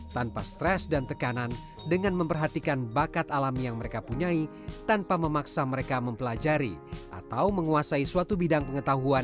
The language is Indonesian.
tanpa stres dan tekanan dengan memperhatikan bakat alami yang mereka punyai tanpa memaksa mereka mempelajari atau menguasai suatu bidang pengetahuan